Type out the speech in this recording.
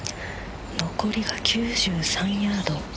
残りが９３ヤード。